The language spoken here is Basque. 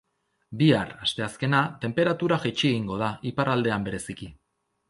Bihar, asteazkena, tenperatura jaitsi egingo da, iparraldean bereziki.